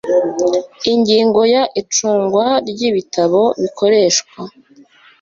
Ingingo ya Icungwa ry ibitabo bikoreshwa